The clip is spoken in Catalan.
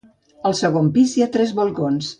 Al segon pis hi ha tres balcons.